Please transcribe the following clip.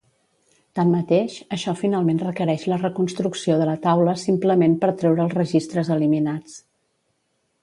Tanmateix, això finalment requereix la reconstrucció de la taula simplement per treure els registres eliminats.